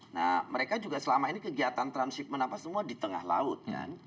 nah mereka juga selama ini kegiatan transhipment apa semua di tengah laut kan